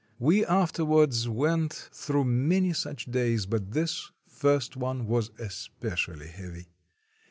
We afterwards went through many such days, but this first one was especially heavy.